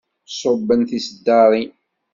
Ṣubben tiseddaṛin.